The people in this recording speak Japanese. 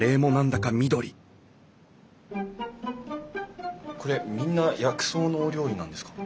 緑これみんな薬草のお料理なんですか？